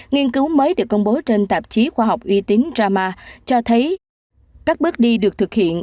nghiên cứu mới được công bố trên tạp chí khoa học uy tín rama cho thấy các bước đi được thực hiện